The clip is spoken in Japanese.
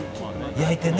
焼いてね。